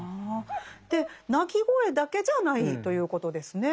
で鳴き声だけじゃないということですね。